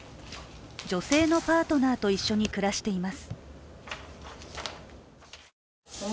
女性のパートナーと一緒に暮らしています。